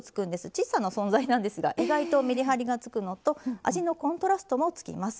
小さな存在なんですが意外とめりはりがつくのと味のコントラストもつきます。